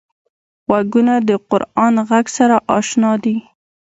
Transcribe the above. غوږونه د قران غږ سره اشنا دي